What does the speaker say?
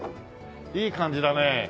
いい感じだね。